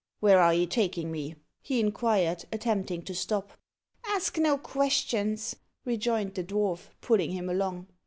"Where are you taking me?" he inquired, attempting to stop. "Ask no questions," rejoined the dwarf, pulling him along.